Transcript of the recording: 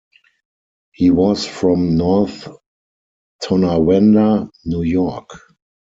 He was from North Tonawanda, New York.